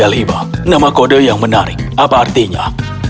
ace satu ratus tiga puluh lima nama kode yang menarik apa artinya